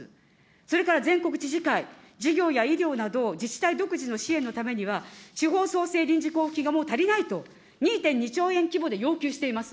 それから全国知事会、事業や医療など、自治体独自の支援のためには、地方創生臨時交付金がもう足りないと、２．２兆円規模で要求しています。